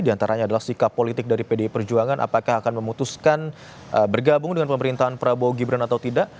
di antaranya adalah sikap politik dari pdi perjuangan apakah akan memutuskan bergabung dengan pemerintahan prabowo gibran atau tidak